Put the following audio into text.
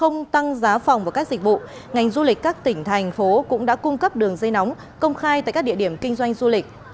ngành du lịch các tỉnh thành phố cũng đã cung cấp đường dây nóng công khai tại các địa điểm kinh doanh du lịch